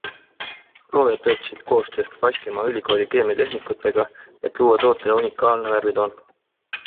Loojad töötasid koostöös Baskimaa ülikooli keemiatehnikutega, et luua tootele unikaalne värvitoon.